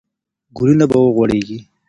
ګلونه به وغوړېږي.